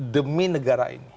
demi negara ini